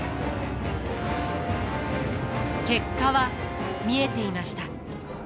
結果は見えていました。